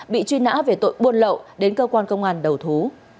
bị truy nã về tội buôn lậu đến cơ quan công an đầu thú